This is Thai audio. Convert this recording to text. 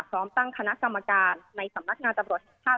พร้อมตั้งคณะกรรมการในสำนักงานตรวจภาพ